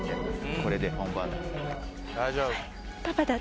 これで本番だ